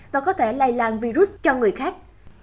và có thể lai lan virus cho người khác